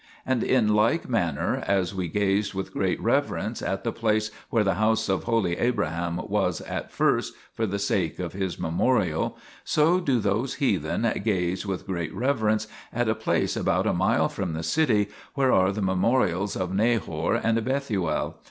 And in like manner, as we gazed with great reverence at the place where the house of holy Abraham was at first for the sake of his memorial, so do those heathen gaze with great reverence at a place about a mile from the city, where are the memorials of Nahor and Bethuel.